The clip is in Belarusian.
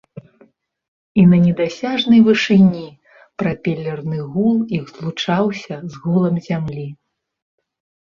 І на недасяжнай вышыні прапелерны гул іх злучаўся з гулам зямлі.